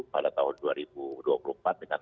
pada tahun dua ribu dua puluh empat dengan